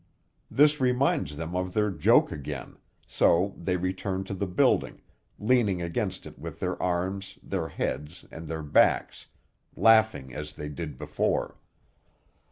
This reminds them of their joke again; so they return to the building, leaning against it with their arms, their heads, and their backs, laughing as they did before.